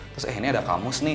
terus eh ini ada kamus nih